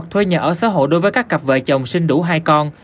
thuê nhà ở xã hội đối với các cặp vợ chồng sinh đủ hai con